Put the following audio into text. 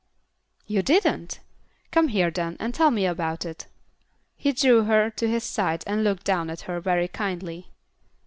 "You didn't! Come here, then, and tell me about it." He drew her to his side and looked down at her very kindly.